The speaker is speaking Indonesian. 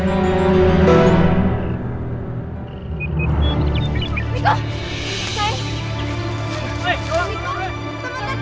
jangan jangan jangan jangan usah usah ngapa ngapa cuma lagi jarang olahraga aja makanya